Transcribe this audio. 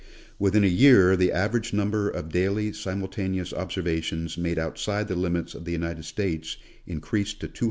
Within a year the average number of daily simultaneous observations made out side the limits of the United States increased to 214.